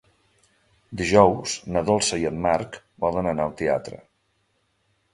Dijous na Dolça i en Marc volen anar al teatre.